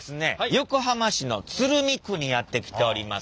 横浜市の鶴見区にやって来ております。